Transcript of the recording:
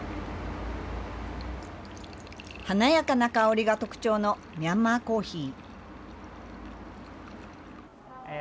華やかな香りが特長のミャンマーコーヒー。